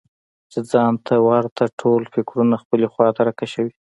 چې ځان ته ورته ټول فکرونه خپلې خواته راکشوي.